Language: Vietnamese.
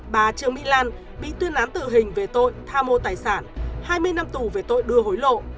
bà trương mỹ lan bị tuyên án tử hình về tội tham mô tài sản hai mươi năm tù về tội đưa hối lộ